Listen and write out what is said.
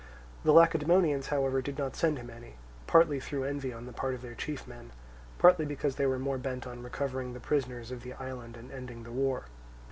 The Lacedaemonians however did not send him any, partly through envy on the part of their chief men, partly because they were more bent on recovering the prisoners of the island and ending the war.